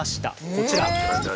こちら。